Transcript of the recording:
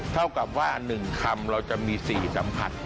เท่ากับว่า๑คำเราจะมี๔สัมผัส